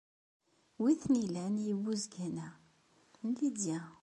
Wi ten-ilan yibuzgen-a? N Lidya.